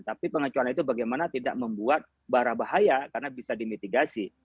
tapi pengecualian itu bagaimana tidak membuat barah bahaya karena bisa dimitigasi